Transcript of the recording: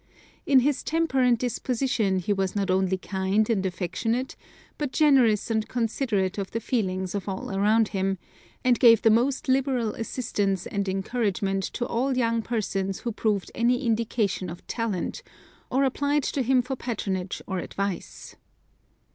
In his temper and disposition he was not only kind and affectionate, but generous and considerate of the feelings of all around him, and gave the most liberal assistance and encouragement to all young persons who proved any indication of talent, or applied to him for patronage or advice.